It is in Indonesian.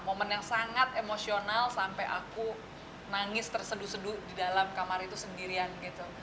momen yang sangat emosional sampai aku nangis terseduh seduh di dalam kamar itu sendirian gitu